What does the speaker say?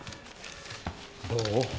どう？